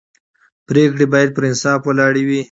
پرېکړې باید پر انصاف ولاړې وي